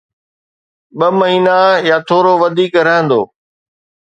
ٻه مهينا يا ٿورو وڌيڪ رهندو.